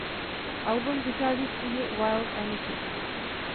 Album vychází z knihy Wild Energy.